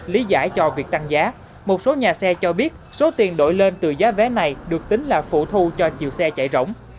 lý giải cho việc tăng giá một số nhà xe cho biết số tiền đổi lên từ giá vé này được tính là phụ thu cho chiều xe chạy rỗng